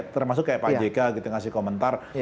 termasuk kayak pak jk gitu yang ngasih komentar